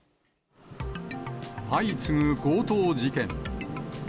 相次ぐ強盗事件。